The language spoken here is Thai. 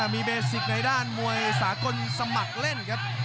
มีเบสิกในด้านมวยสากลสมัครเล่นครับ